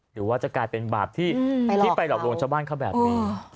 หรือว่าจะกลายเป็นบาปที่ไปหลอกลวงชาวบ้านเขาแบบนี้